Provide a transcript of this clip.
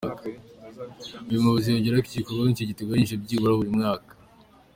Uyu muyobozi yongeraho ko igikorwa nk’iki giteganyijwe byibura buri mwaka.